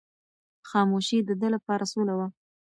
خاموشي د ده لپاره سوله وه.